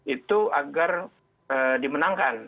itu agar dimenangkan